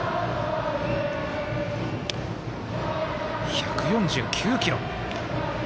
１４９キロ。